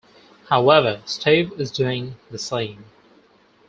However, Steve is doing the same.